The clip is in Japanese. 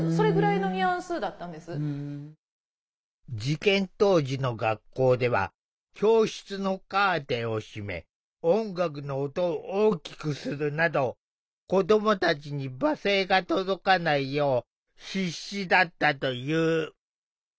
事件当時の学校では教室のカーテンを閉め音楽の音を大きくするなど子どもたちに罵声が届かないよう必死だったという。